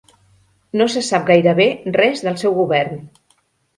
No se sap gairebé res del seu govern.